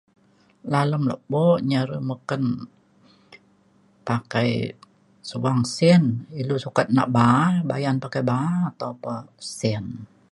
Lalem lepo nye are meken, pakai subang sin ilou , ukat nak ba'a bayan, bayan pakai ba'a pakai sin